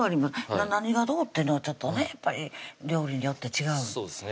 何がどうっていうのはちょっとねやっぱり料理によって違うそうですね